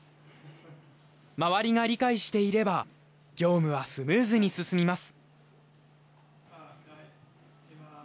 周りが理解していれば業務はスムーズに進みます。